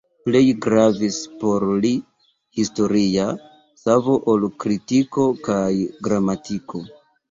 Plej gravis por li historia savo ol kritiko kaj gramatiko.